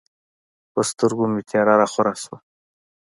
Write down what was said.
په سترګو مې تیاره راخوره شوه.